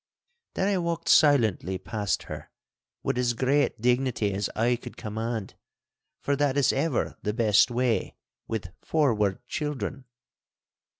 Then I walked silently past her, with as great dignity as I could command, for that is ever the best way with forward children.